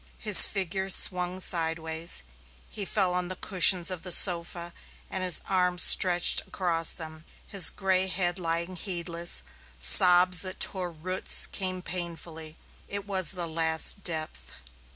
His figure swung sideways; he fell on the cushions of the sofa and his arms stretched across them, his gray head lying heedless; sobs that tore roots came painfully; it was the last depth.